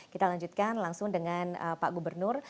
kita lanjutkan langsung dengan pak gubernur